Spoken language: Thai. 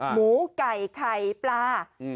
หมูไก่ไข่ปลา